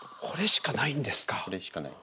これしかないんです。